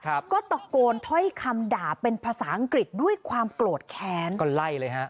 ครับก็ตะโกนถ้อยคำด่าเป็นภาษาอังกฤษด้วยความโกรธแค้นก็ไล่เลยฮะ